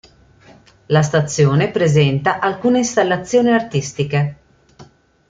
La stazione presenta alcune installazioni artistiche.